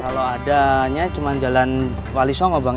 padanya cuma jalan wali songo bang